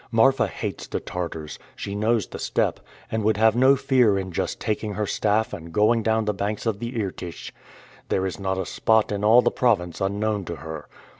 Marfa hates the Tartars. She knows the steppe, and would have no fear in just taking her staff and going down the banks of the Irtych. There is not a spot in all the province unknown to her.